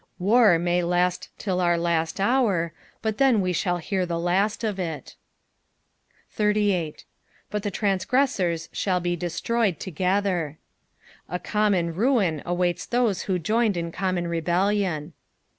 War may last till our last hour, but then we shall hear the last of it. SB. "Bat the trantgrettar* thall be deitroyed together." A common rain awaits those who joined in common rebellion.